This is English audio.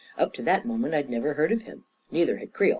Up to that moment, I had never heard of him. Neither had Creel.